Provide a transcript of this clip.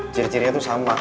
ciri cirinya tuh sama